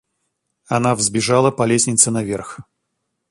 Она взбежала по лестнице наверх.